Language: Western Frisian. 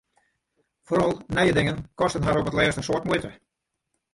Foaral nije dingen kosten har op 't lêst in soad muoite.